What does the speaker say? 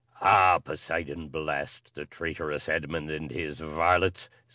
"Ah! Poseidon blast the traitorous Edmund and his varlets!